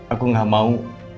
aku gak mau